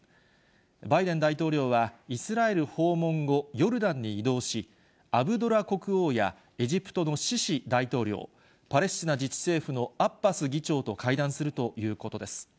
バイデン大統領はイスラエル訪問後、ヨルダンに移動し、アブドラ国王や、エジプトのシシ大統領、パレスチナ自治政府のアッバス議長と会談するということです。